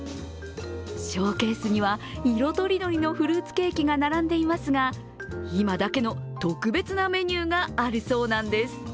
ショーケースには色とりどりのフルーツケーキが並んでいますが今だけの特別なメニューがあるそうなんです。